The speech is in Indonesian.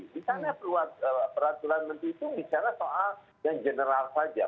di sana peraturan menteri itu bicara soal yang general saja